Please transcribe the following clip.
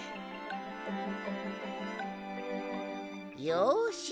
よし！